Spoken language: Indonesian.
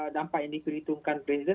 dampak yang diperhitungkan presiden